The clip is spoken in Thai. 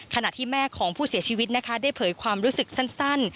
ขณะที่แม่ของผู้เสียชีวิตนะคะได้เผยความรู้สึกสั้น